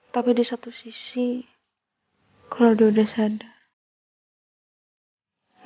tapi di satu sisi kalo dia udah sadar